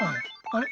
あれ？